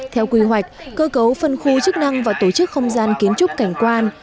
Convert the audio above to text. theo quy hoạch cơ cấu phân khu chức năng và tổ chức không gian kiến trúc cảnh quan